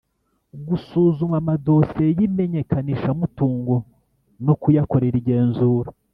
Gusuzuma amadosiye y imenyekanishamutungo no kuyakorera igenzura